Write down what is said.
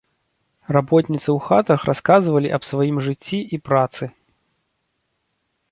Работніцы ў хатах расказвалі аб сваім жыцці і працы.